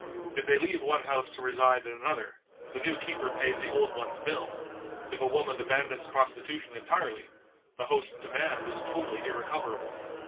If they leave one house to reside in another, the new keeper pays the old one's bill; if a woman abandons prostitution entirely, the host's demand is totally irrecoverable.